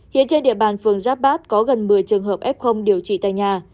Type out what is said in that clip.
hiện trên địa bàn phường giáp bát có gần một mươi trường hợp f điều trị tại nhà